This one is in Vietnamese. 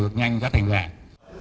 được nhanh giá thành ràng